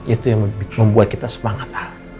itu yang membuat kita semangat